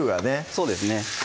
そうですね